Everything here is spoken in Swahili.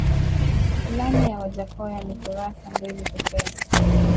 Ilani ya Wajackoya ni ya kurasa mbili pekee